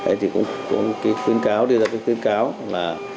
thế thì cũng có cái tuyên cáo đưa ra cái tuyên cáo là